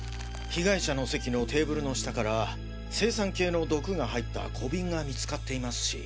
被害者の席のテーブルの下から青酸系の毒が入った小瓶が見つかっていますし。